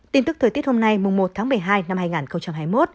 tin tức thời tiết hôm nay một tháng một mươi hai năm hai nghìn hai mươi một